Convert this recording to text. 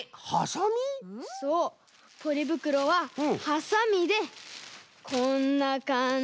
そうポリぶくろはハサミでこんなかんじで。